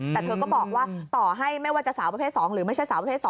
แต่เธอก็บอกว่าต่อให้ไม่ว่าจะสาวประเภท๒หรือไม่ใช่สาวประเภท๒